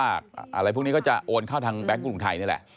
อะไรพวกนี้ก็จะโอนเข้าทางแบงค์กรุงไทยนี่แหละ